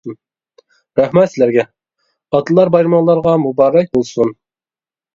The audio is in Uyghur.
رەھمەت سىلەرگە، ئاتىلار بايرىمىڭلارغا مۇبارەك بولسۇن!